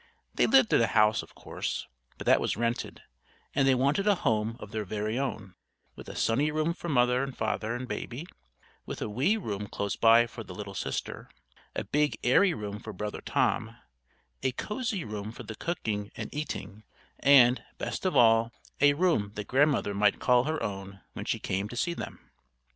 They lived in a house, of course, but that was rented; and they wanted a home of their very own, with a sunny room for Mother and Father and Baby, with a wee room close by for the little sister; a big, airy room for Brother Tom; a cosy room for the cooking and eating; and, best of all, a room that Grandmother might call her own when she came to see them.